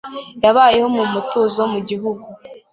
Yabayeho mu mutuzo mu gihugu.